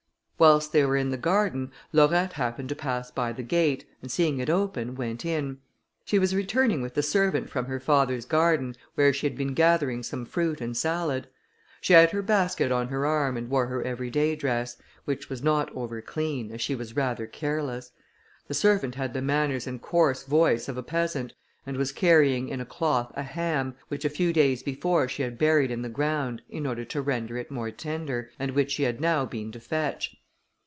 Whilst they were in the garden, Laurette happened to pass by the gate, and seeing it open, went in. She was returning with the servant from her father's garden, where she had been gathering some fruit and salad. She had her basket on her arm, and wore her every day dress, which was not over clean, as she was rather careless. The servant had the manners and coarse voice of a peasant, and was carrying in a cloth a ham, which a few days before she had buried in the ground, in order to render it more tender, and which she had now been to fetch.